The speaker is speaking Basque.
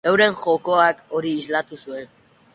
Euren jokoak hori islatu zuen.